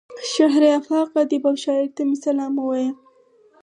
شهره آفاق ادیب او شاعر ته مې سلام ووايه.